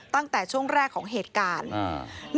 ตั้งแต่ช่วงแรกของเหตุการณ์